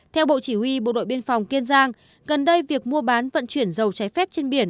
theo bộ chỉ huy bộ đội biên phòng kiên giang gần đây việc mua bán vận chuyển dầu trái phép trên biển